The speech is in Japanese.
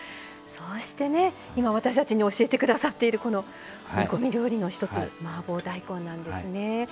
そして、今私たちに教えてくださっているこの煮込み料理の一つマーボー大根なんですね。